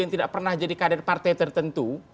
yang tidak pernah jadi kader partai tertentu